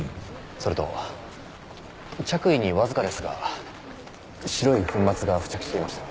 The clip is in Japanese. それと着衣にわずかですが白い粉末が付着していました。